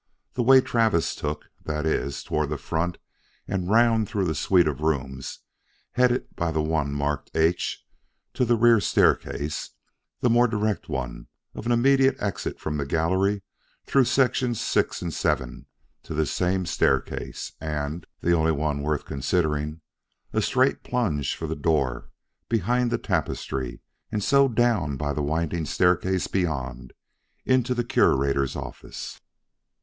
The way Travis took, that is, toward the front, and round through the suite of rooms headed by the one marked H, to the rear staircase; the more direct one of an immediate exit from the gallery through Sections VI and VII to this same staircase; and (the only one worth considering) a straight plunge for the door behind the tapestry and so down by the winding staircase beyond, into the Curator's office.